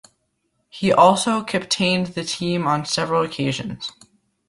He also captained the team on several occasions.